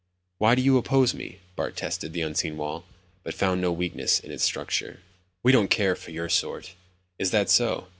"Why do you oppose me?" Bart tested the unseen wall, but found no weakness in its structure. "We don't care for your sort." "Is that so.